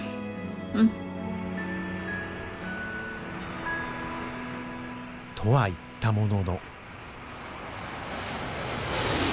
うん。とは言ったものの。